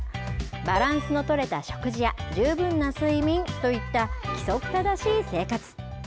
バランスのとれた食事や、十分な睡眠といった、規則正しい生活。